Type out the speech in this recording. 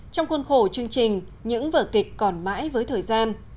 trong khuôn khổ chương trình những vở kịch còn mãi với thời gian